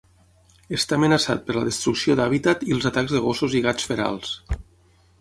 Està amenaçat per la destrucció d'hàbitat i els atacs de gossos i gats ferals.